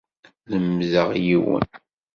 Lemdeɣ yiwen.